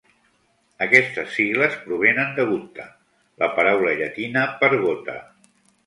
Aquestes sigles provenen de "gutta", la paraula llatina per gota.